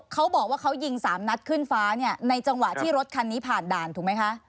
เขาบอกว่าเขายิงสามนัดขึ้นฟ้าเนี่ยในจังหวะที่รถคันนี้ผ่านด่านถูกไหมคะ